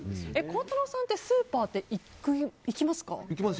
孝太郎さんってスーパー行きますか？